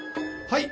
はい。